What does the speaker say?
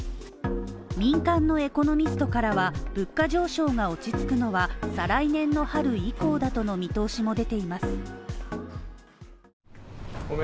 民間のエコノミストからは物価上昇が落ち着くのは再来年の春以降だとの見通しも出ています。